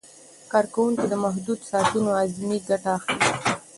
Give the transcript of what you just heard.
کارکوونکي د محدودو ساعتونو اعظمي ګټه اخلي.